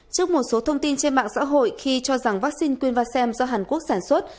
trước một số thông tin trên mạng xã hội khi cho rằng vaccine quyênvasham do hàn quốc sản xuất